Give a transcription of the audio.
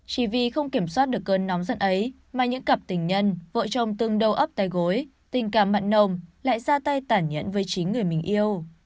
chỉ vì không kiểm soát được cơn nóng giận ấy mà những cặp tình nhân vợ chồng từng đầu ấp tay gối tình cảm mặn nồng lại ra tay tản nhẫn với chính người mình yêu